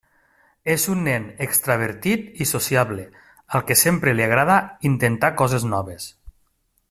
És un nen extravertit i sociable, al que sempre li agrada intentar coses noves.